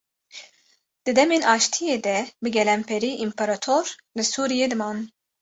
Di demên aşitiye de bi gelemperî împerator li Sûriyê diman.